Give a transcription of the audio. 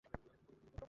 বাড়তি কিছু এনেছি।